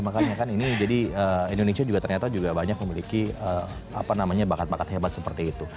makanya kan ini jadi indonesia juga ternyata juga banyak memiliki bakat bakat hebat seperti itu